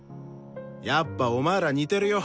やっぱお前ら似てるよ。